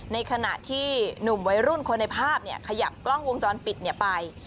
ในขณะที่หนุ่มวัยรุ่นคนในภาพขยับกล้องวงจรปิดไป